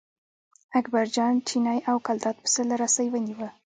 اکبرجان چینی او ګلداد پسه له رسۍ ونیوه.